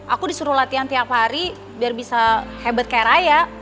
aku disuruh latihan tiap hari biar bisa hebat kayak raya